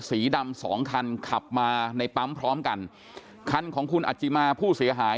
สีดำสองคันขับมาในปั๊มพร้อมกันคันของคุณอัจิมาผู้เสียหาย